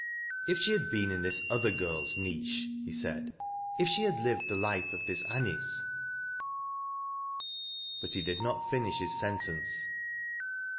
" If she had been in this other girl's niche," he said, ' if she had lived the life of this Anice " But he did not finish his sentence.